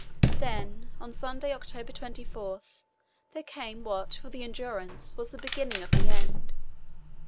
Then on Sunday, October 24, there came what for the Endurance was the beginning of the end.